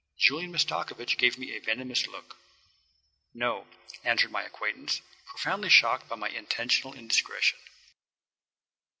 Julian Mastakovich gave me a venomous look. "No," answered my acquaintance, profoundly shocked by my intentional indiscretion.